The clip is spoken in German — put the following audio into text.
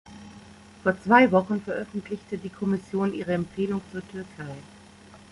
Vor zwei Wochen veröffentlichte die Kommission ihre Empfehlung zur Türkei.